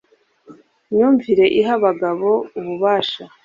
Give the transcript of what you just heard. myumvire iha abagabo ububasha